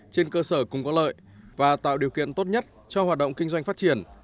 trên cơ sở cùng có lợi và tạo điều kiện tốt nhất cho hoạt động kinh doanh phát triển